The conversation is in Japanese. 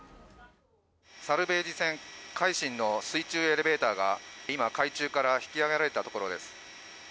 サルベージ船、海進の水中エレベーターが、今、海中から引き揚げられたところです。